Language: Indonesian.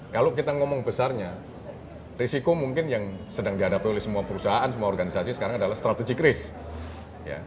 kalau kita ngomong besarnya risiko mungkin yang sedang dihadapi oleh semua perusahaan semua organisasi sekarang adalah strategic risk